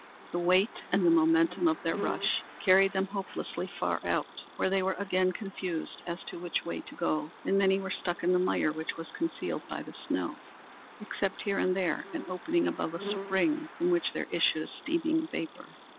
Their weight and the momentum of their rush carried them hopelessly far out, where they were again confused as to which way to go, and many were stuck in the mire which was concealed by the snow, except here and there an opening above a spring from which there issued a steaming vapor.